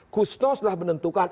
kusnos sudah menentukan